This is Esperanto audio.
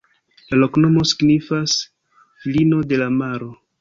La loknomo signifas: filino de la maro.